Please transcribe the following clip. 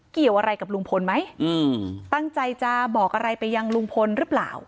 เกี่ยวอะไรกับลุงพลไหมอืมตั้งใจจะบอกอะไรไปยังลุงพลหรือเปล่า